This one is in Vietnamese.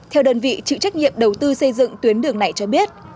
theo đơn vị chịu trách nhiệm đầu tư xây dựng tuyến đường này cho biết